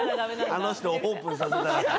あの人をオープンさせたら。